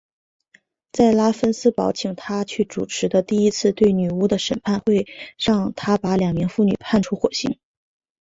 在拉芬斯堡请他去主持的第一次对女巫的审判会上他把两名妇女判处火刑。